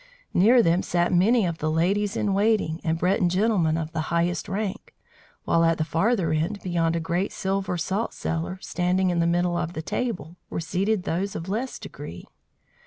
Near them sat many of the ladies in waiting, and Breton gentlemen of the highest rank; while at the farther end, beyond a great silver saltcellar standing in the middle of the table, were seated those of less degree.